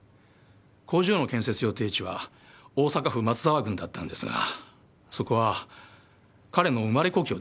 工場の建設予定地は大阪府松沢郡だったんですがそこは彼の生まれ故郷でしてね。